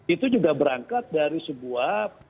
itu juga berangkat dari sebuah